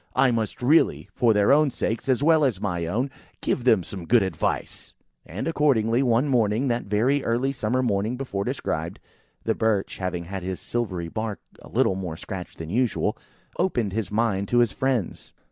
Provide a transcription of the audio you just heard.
I must really, for their own sakes, as well as my own, give them some good advice." And accordingly, one morning,–that very early summer morning before described,–the Birch, having had his silvery bark a little more scratched than usual, opened his mind to his friends.